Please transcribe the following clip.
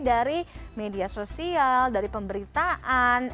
dari media sosial dari pemberitaan